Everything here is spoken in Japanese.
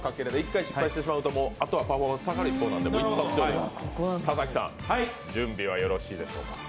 １回失敗してしまうと、後はパフォーマンス下がる一方なので田崎さん準備はよろしいでしょうか？